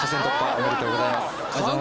ありがとうございます。